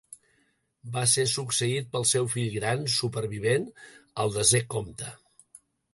Va ser succeït pel seu fill gran supervivent, el desè comte.